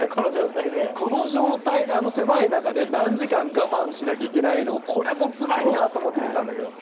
この状態であのせまい中で何時間がまんしなきゃいけないのをこれもつらいなと思って見てたんだけど。